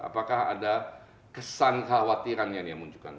apakah ada kesan khawatirannya ini yang munculkan